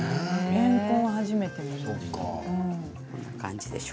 れんこんは初めて見ました。